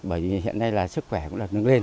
bởi vì hiện nay sức khỏe cũng đứng lên